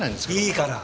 いいから！